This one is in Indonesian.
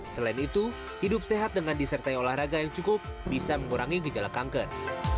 selain itu hidup sehat dengan disertai olahraga yang cukup bisa mengurangi gejala kanker